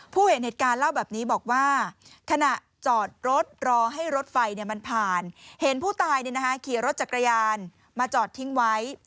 เห็นเหตุการณ์เล่าแบบนี้บอกว่าขณะจอดรถรอให้รถไฟมันผ่านเห็นผู้ตายขี่รถจักรยานมาจอดทิ้งไว้